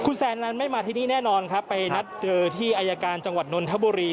คุณแซนนั้นไม่มาที่นี่แน่นอนครับไปนัดเจอที่อายการจังหวัดนนทบุรี